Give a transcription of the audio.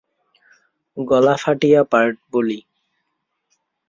গলা ফাটিয়া পার্ট বলি।